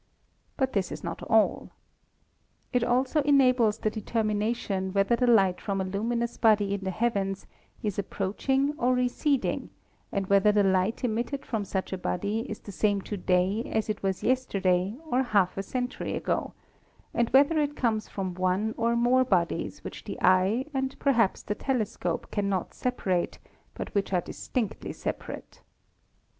But this is not all. It also enables the determination whether the light from a luminous body in the heavens is approaching or reced ing, and whether the light emitted from such a body is the same to day as it was yesterday or a half century ago, and whether it comes from one or more bodies which the eye and perhaps the telescope cannot separate, but which are distinctly separate.